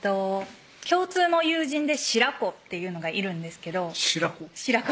共通の友人でシラコっていうのがいるんですけどシラコ？